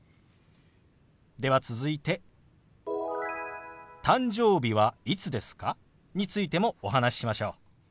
では続いて「誕生日はいつですか？」についてもお話ししましょう。